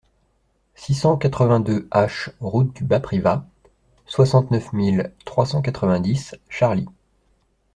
six cent quatre-vingt-deux H route du Bas Privas, soixante-neuf mille trois cent quatre-vingt-dix Charly